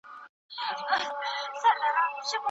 څه وخت خصوصي سکتور غوړي هیواد ته راوړي؟